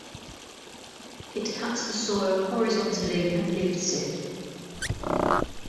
It cuts the soil horizontally and lifts it.